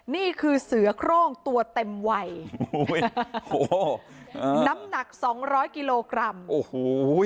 นี่คือเสือโครงตัวเต็มวัยโอ้โหน้ำหนักสองร้อยกิโลกรัมโอ้โห